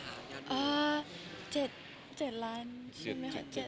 อ่า๗๗ล้านใช่ไหมคะ